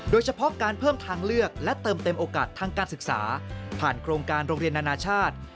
โดยเฉพาะการเพิ่มทางเลือกและเติมเต็มโอกาสทางการศึกษาผ่านโครงการโรงเรียนนานาชาติ